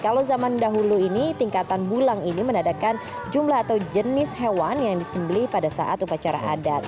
kalau zaman dahulu ini tingkatan bulang ini menadakan jumlah atau jenis hewan yang disembeli pada saat upacara adat